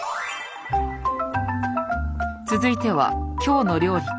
続いては「きょうの料理」から。